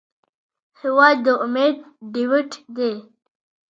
هېواد د امید ډیوټ دی.